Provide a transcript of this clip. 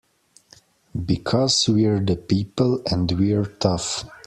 Because we're the people and we're tough!